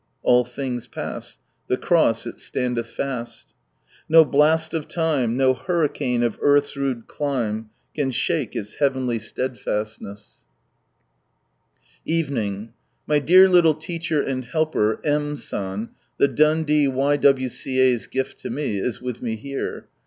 All things pass —" The Cross it standeth fast." " No bli&I of lime, no hnrricane of eaiih's nide clime Can shake III heavenly aled fastness." Kyoto, and Onwards Evening. — My dear little teacher and helper, M. San, the Dundee Y.W.C.A.'s gift to me, is with me here.